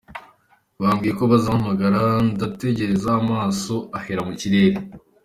Bambwiye ko bazampamagara, ndategereza amaso ahera mu kirere.